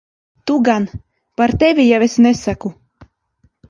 Tu gan. Par tevi jau es nesaku.